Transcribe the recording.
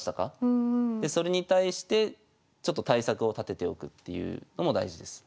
でそれに対してちょっと対策を立てておくっていうのも大事です。